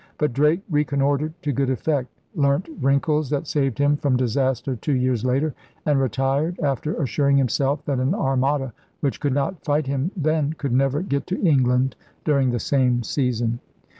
But Drake reconnoitred to good effect, learnt wrinkles that saved him from disaster two years later, and retired after assuring himself that an Armada which could not fight him then could never get to England during the same season.